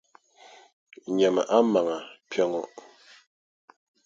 Nyami a maŋa kpe ŋɔ.